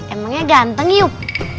emangnya ganteng yuk